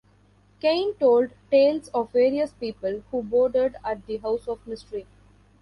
Cain told tales of various people who boarded at the House of Mystery.